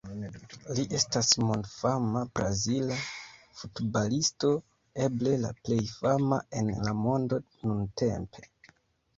Li estas mondfama Brazila futbalisto, eble la plej fama en la mondo nuntempe.